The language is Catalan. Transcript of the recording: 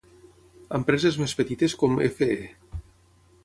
Empreses més petites com f.e.